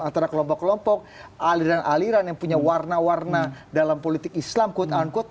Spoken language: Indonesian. antara kelompok kelompok aliran aliran yang punya warna warna dalam politik islam quote unquote